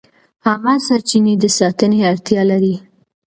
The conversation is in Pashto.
عامه سرچینې د ساتنې اړتیا لري.